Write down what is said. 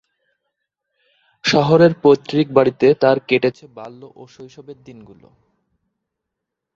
শহরের পৈতৃক বাড়িতে তার কেটেছে বাল্য ও শৈশবের দিনগুলি।